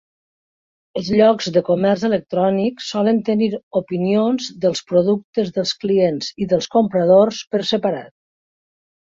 Els llocs de comerç electrònic solen tenir opinions dels productes dels clients i dels compradors per separat.